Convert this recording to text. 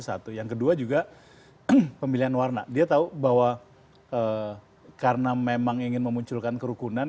satu yang kedua juga pemilihan warna dia tahu bahwa karena memang ingin memunculkan kerukunan